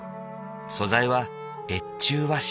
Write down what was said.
素材は越中和紙。